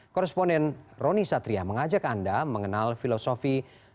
korresponden roni satria mengajak anda mengenal filosofi